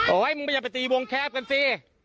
โอ้ยมึงไม่อยากไปตีวงแคบกันสิ